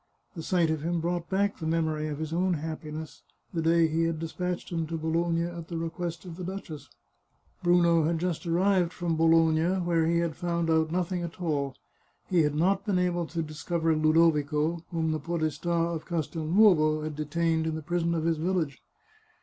The sight of him brought back the memory of his own happiness, the day he had despatched him to Bologna at the request of the duchess. Brimo had just arrived from Bologna, where he The Chartreuse of Parma had found out nothing at all. He had not been able to dis cover Ludovico, whom the podesta of Castelnovo had de tained in the prison of his village.